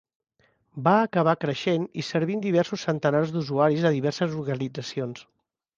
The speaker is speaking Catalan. Va acabar creixent i servint diversos centenars d'usuaris de diverses organitzacions.